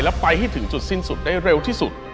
และไปให้ถึงจุดสิ้นสุดได้เร็วที่สุด